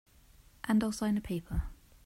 And I'll sign a paper.